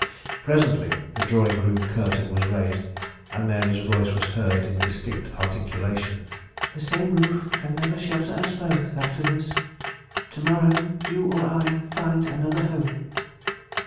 Presently the drawing room curtain was raised, and Mary's voice was heard in distinct articulation. "The same roof can never shelter us both after this. To morrow, you or I find another home."